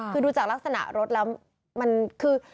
คือดูจากลักษณะรถแล้วมันคือ